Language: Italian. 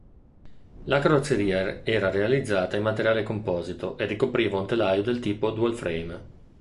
La carrozzeria era realizzata in materiale composito e ricopriva un telaio del tipo dual-frame.